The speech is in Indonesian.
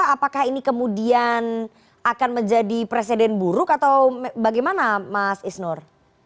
apakah ini kemudian akan menjadi presiden buruk atau bagaimana mas isnur